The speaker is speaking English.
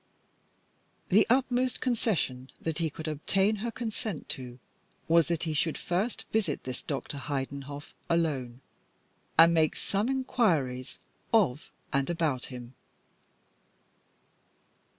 The utmost concession that he could obtain her consent to was that he should first visit this Dr. Heidenhoff alone, and make some inquiries of and about him.